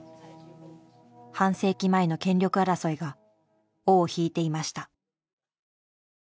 半世紀前の権力争いが尾を引いていました。